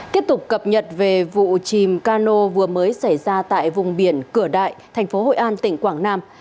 tiếp tục cập nhật về vụ chìm cano vừa mới xảy ra tại vùng biển cửa đại thành phố hội an tỉnh quảng nam